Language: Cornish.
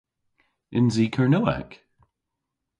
Yns i Kernewek?